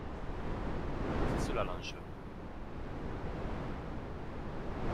C’est cela, l’enjeu.